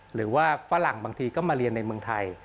ฝรั่งบางทีก็มาเรียนในเมืองไทย